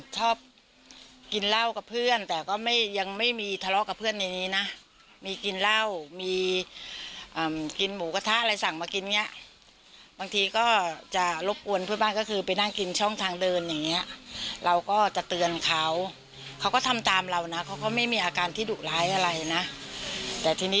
ทุรการอีกหนึ่งก็ไม่อยากจะเชื่อว่าเขาทำขนาดนั้น